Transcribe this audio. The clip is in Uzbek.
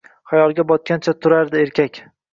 Xayolga botgancha turardi erkak